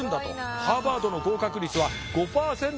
ハーバードの合格率は５％未満。